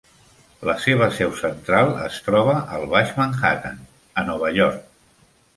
La seva seu central es troba al baix Manhattan, a Nova York.